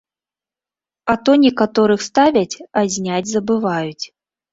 А то некаторых ставяць, а зняць забываюць.